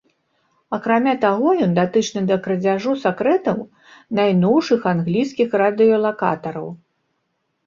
Акрамя таго ён датычны да крадзяжу сакрэтаў найноўшых англійскіх радыёлакатараў.